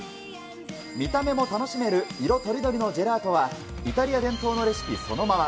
見た目も楽しめる色とりどりのジェラートは、イタリア伝統のレシピそのまま。